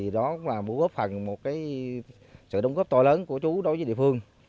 đó là một sự đồng góp to lớn của chú đối với địa phương